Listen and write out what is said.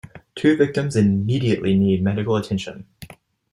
Two victims immediately need medical attention.